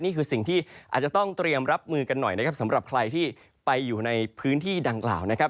นี่คือสิ่งที่อาจจะต้องเตรียมรับมือกันหน่อยนะครับสำหรับใครที่ไปอยู่ในพื้นที่ดังกล่าวนะครับ